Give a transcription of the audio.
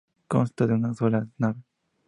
Consta de una sola nave.